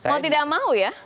mau tidak mau ya